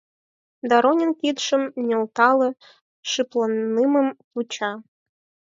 Доронин кидшым нӧлтале, шыпланымым вуча.